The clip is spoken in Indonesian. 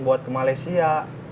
buat ke malaysia